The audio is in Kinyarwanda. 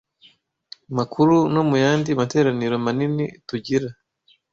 makuru no mu yandi materaniro manini tugira.